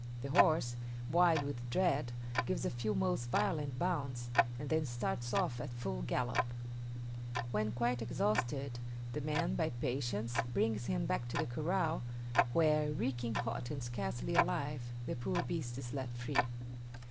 The horse, wild with dread, gives a few most violent bounds, and then starts off at full gallop: when quite exhausted, the man, by patience, brings him back to the corral, where, reeking hot and scarcely alive, the poor beast is let free.